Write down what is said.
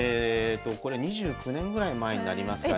これ２９年ぐらい前になりますかね。